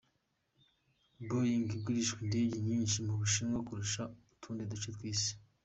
"Boeing igurisha indege nyinshi mu Bushinwa kurusha mu tundi duce tw'isi.